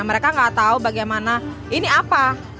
mereka nggak tahu bagaimana ini apa